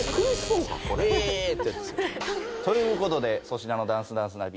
ということで「粗品のダンスダンスナビ」